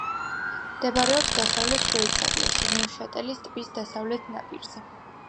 მდებარეობს დასავლეთ შვეიცარიაში, ნევშატელის ტბის დასავლეთ ნაპირზე.